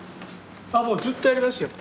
あもうずっとやりますよ。